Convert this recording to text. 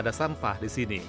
ada sampah di sini